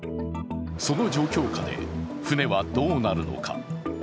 その状況下で、船はどうなるのか。